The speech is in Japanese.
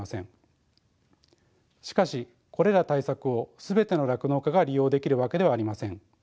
しかしこれら対策を全ての酪農家が利用できるわけではありません。